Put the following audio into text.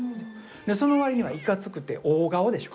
その割にはいかつくて大顔でしょ？